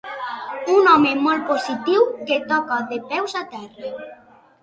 Un home molt positiu, que toca de peus a terra.